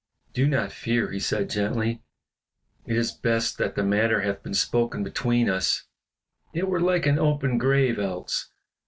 "Do not fear," he said, gently, "it is best that the matter hath been spoken between us; it were like an open grave else.